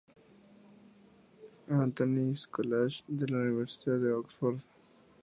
Antony’s College de la "Universidad de Oxford.